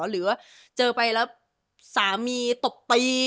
หรือว่าเจอไปแล้วสามีตบตี